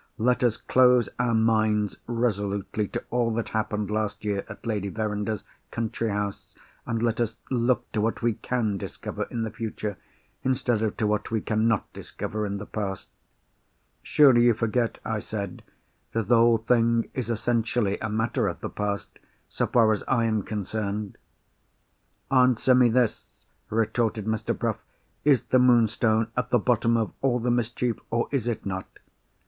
Let us close our minds resolutely to all that happened last year at Lady Verinder's country house; and let us look to what we can discover in the future, instead of to what we can not discover in the past." "Surely you forget," I said, "that the whole thing is essentially a matter of the past—so far as I am concerned?" "Answer me this," retorted Mr. Bruff. "Is the Moonstone at the bottom of all the mischief—or is it not?"